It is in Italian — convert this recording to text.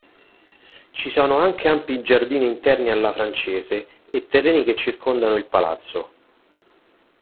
Ci sono anche ampi giardini interni alla francese e terreni che circondano il palazzo.